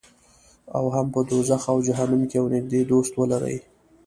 او هم په دوزخ او جهنم کې یو نږدې دوست ولري.